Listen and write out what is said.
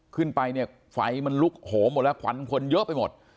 ขึ้นไปเนี่ยไฟมันลุกโหมหมดแล้วควันคนเยอะไปหมด